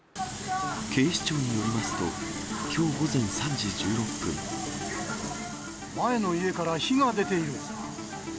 警視庁によりますと、きょう前の家から火が出ている。